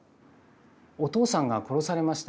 お父さんが殺されました。